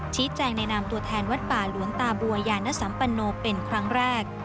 ชี้แจงในนามตัวแทนวัดป่าหลวงตาบัวยานสัมปโนเป็นครั้งแรก